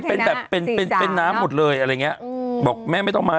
เป็นน้ำหมดเลยอะไรเงี้ยบอกไม่ต้องมา